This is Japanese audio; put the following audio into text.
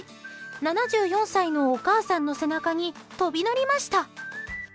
７４歳のお母さんの背中に飛び乗りました。